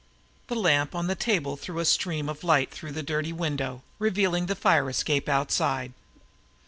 The lamp on the table threw a stream of light through the dirty window, revealing the fire escape outside.